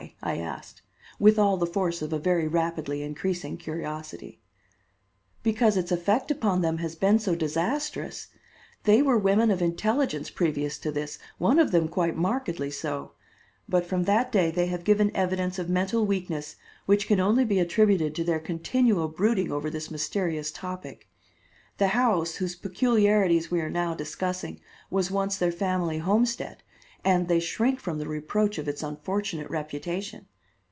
I asked, with all the force of a very rapidly increasing curiosity. "Because its effect upon them has been so disastrous. They were women of intelligence previous to this, one of them quite markedly so, but from that day they have given evidence of mental weakness which can only be attributed to their continual brooding over this mysterious topic. The house, whose peculiarities we are now discussing, was once their family homestead, and they shrink from the reproach of its unfortunate reputation.